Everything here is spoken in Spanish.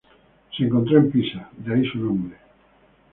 Se encontró en Pisa, de ahí su nombre.